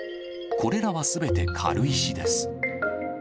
これらはすべて軽石です。